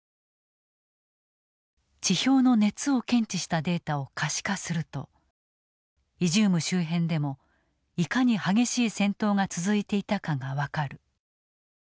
地表の熱を検知したデータを可視化するとイジューム周辺でもいかに激しい戦闘が続いていたかが分かる。